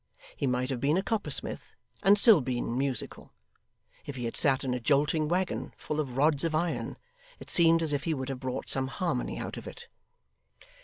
He might have been a coppersmith, and still been musical. If he had sat in a jolting waggon, full of rods of iron, it seemed as if he would have brought some harmony out of it.